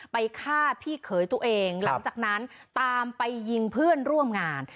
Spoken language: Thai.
ไปฆ่าพี่เขยตัวเองหลังจากนั้นตามไปยิงเพื่อนร่วมงาน